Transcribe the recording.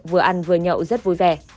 vừa ăn vừa nhậu rất vui vẻ